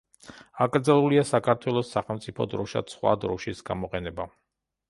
აკრძალულია საქართველოს სახელმწიფო დროშად სხვა დროშის გამოყენება.